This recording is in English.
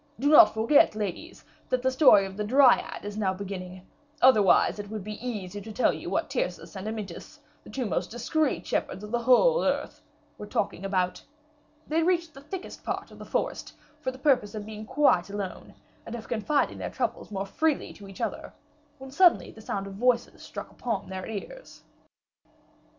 Do not forget, ladies, that the story of the Dryad is now beginning, otherwise it would be easy to tell you what Tyrcis and Amyntas, the two most discreet shepherds of the whole earth, were talking about. They reached the thickest part of the forest, for the purpose of being quite alone, and of confiding their troubles more freely to each other, when suddenly the sound of voices struck upon their ears."